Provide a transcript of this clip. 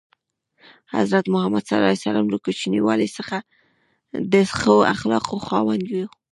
حضرت محمد ﷺ له کوچنیوالي څخه د ښو اخلاقو خاوند و.